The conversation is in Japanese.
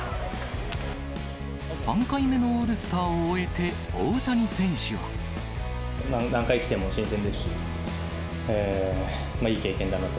３回目のオールスターを終えて、大谷選手は。何回来ても新鮮ですし、いい経験だなと。